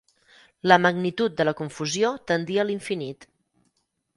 La magnitud de la confusió tendia a l'infinit.